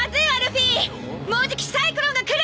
もうじきサイクロンが来る！